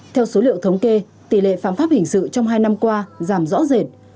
theo số liệu thống kê tỷ lệ phạm pháp hình sự trong hai năm qua giảm rõ rệt